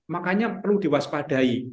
makanya perlu diwaspadai